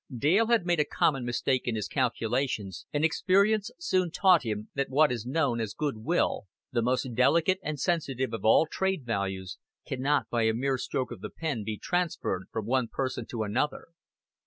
Dale had made a common mistake in his calculations, and experience soon taught him that what is known as good will, the most delicate and sensitive of all trade values, can not by a mere stroke of the pen be transferred from one person to another.